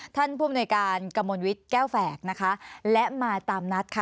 ท่านผู้อำนวยการกะมนต์วิทย์แก้วแฝกและมาตามนัด